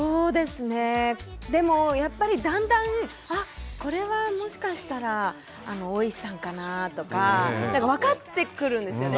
でも、やっぱりだんだん、あっ、これはもしかしたら大石さんかなとか分かってくるんですね。